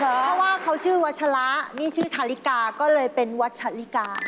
เพราะว่าเขาชื่อวัชละนี่ชื่อทาริกาก็เลยเป็นวัชลิกา